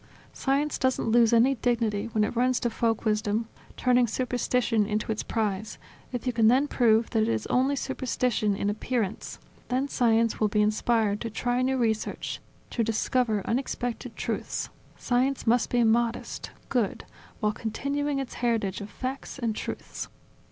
Science doesn't lose any dignity when it runs to folk wisdom, turning superstition into its prize, if you can then prove that it is only superstition in appearance; then science will be inspired to try new research, to discover unexpected truths. Science must be modest, good, while continuing its heritage of facts and truths.